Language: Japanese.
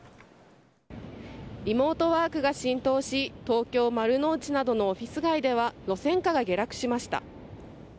リモートワークが浸透し東京・丸の内などのオフィス街では路線価が下落しました。